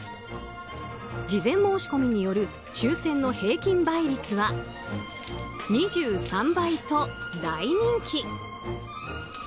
事前申し込みによる抽選の平均倍率は２３倍と大人気。